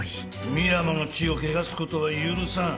深山の血を汚すことは許さん。